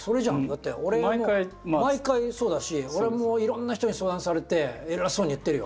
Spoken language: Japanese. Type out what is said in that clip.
だって俺毎回そうだし俺もいろんな人に相談されて偉そうに言ってるよ。